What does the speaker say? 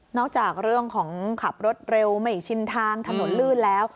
จากเรื่องของขับรถเร็วไม่ชินทางถนนลื่นแล้ว